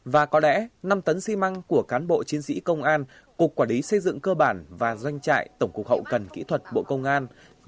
và có lẽ năm tấn xi măng của cán bộ chiến sĩ công an cục quản lý xây dựng cơ bản và doanh trại tổng cục hậu cần kỹ thuật bộ công an